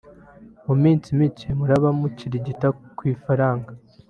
mu minsi mike muraba mukirigita ku ifaranga